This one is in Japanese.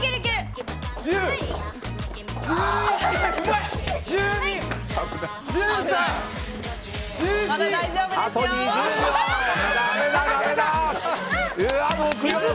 まだ大丈夫ですよ。